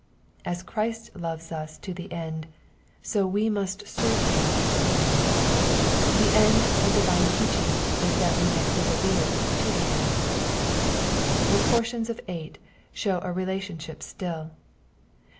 '* As Christ loves us to the end, so must we serve him to the end. The end of divine teaching is that we may persevere to the end. The portions of eight show a relationship still.